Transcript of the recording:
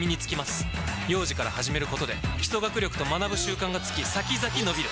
幼児から始めることで基礎学力と学ぶ習慣がつき先々のびる！